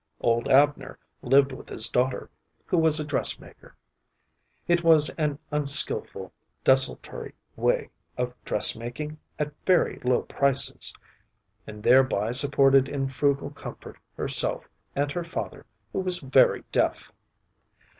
Old Abner lived with his daughter, who was a dressmaker — it was an unskilful, desultory sort of dressmaking at very low prices — and thereby supported in frugal comfort herself and her father, who was very deaf.